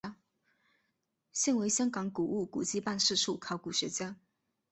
现为香港古物古迹办事处考古学家。